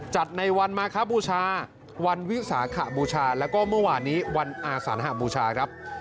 ในวันมาคบูชาวันวิสาขบูชาแล้วก็เมื่อวานนี้วันอาสานหบูชาครับ